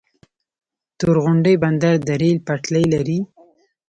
تورغونډۍ بندر د ریل پټلۍ لري؟